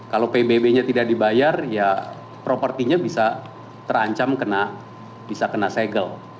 kalau pbb nya tidak dibayar ya propertinya bisa terancam kena bisa kena segel